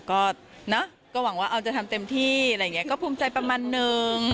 ก็เนอะก็หวังว่าเอาจะทำเต็มที่อะไรอย่างนี้ก็ภูมิใจประมาณนึง